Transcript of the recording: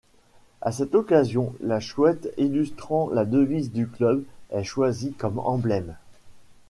À cette occasion, la chouette, illustrant la devise du club, est choisie comme emblème.